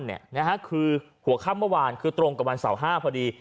คือหัวค่ำเมื่อวานคือตรงกับวันเสาร์๕พอดี